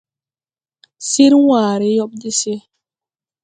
Sir ware yõɓ de se.